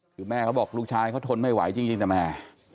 คือแม่เขาบอกลูกชายเขาทนไม่ไหวจริงแต่แม่